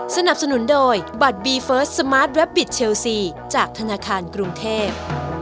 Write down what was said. สนับสนุนโดยบัตรบีเฟิร์สสมาร์ทแวบบิตเชลซีจากธนาคารกรุงเทพ